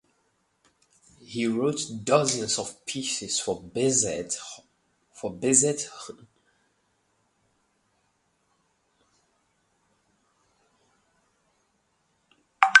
He wrote dozens of pieces for basset horn ensembles.